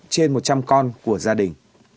trên một trăm linh con của gia đình